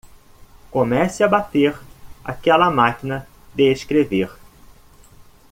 Comece a bater aquela máquina de escrever.